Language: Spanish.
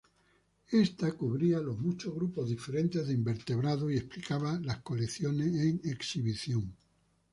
Esta cubría los muchos grupos diferentes de invertebrados y explicaba las colecciones en exhibición.